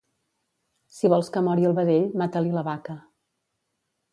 Si vols que mori el vedell, mata-li la vaca.